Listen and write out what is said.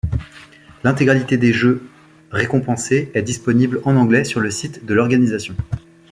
L'intégralité des jeux récompensés est disponible en anglais sur le site de l'organisation.